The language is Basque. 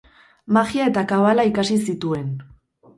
Magia eta kabala ikasi zituen.